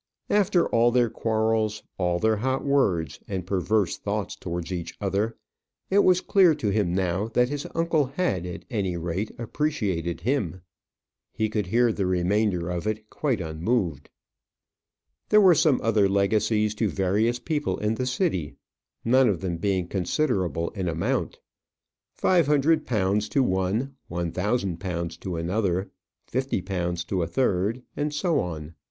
After all their quarrels, all their hot words and perverse thoughts towards each other, it was clear to him now that his uncle had, at any rate, appreciated him. He could hear the remainder of it quite unmoved. There were some other legacies to various people in the City, none of them being considerable in amount. Five hundred pounds to one, one thousand pounds to another, fifty pounds to a third, and so on.